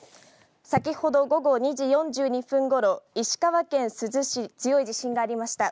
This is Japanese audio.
先ほど午後２時４２分ごろ石川県珠洲市、強い地震がありました。